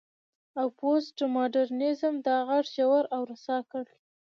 او پوسټ ماډرنيزم دا غږ ژور او رسا کړ.